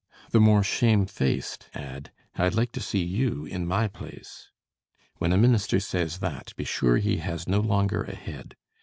The more shamefaced add, "I'd like to see you in my place!" When a minister says that, be sure he has no longer a head.